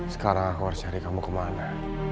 sekarang aku harus cari kamu ke mana